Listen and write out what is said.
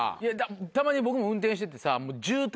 たまに僕も運転しててさ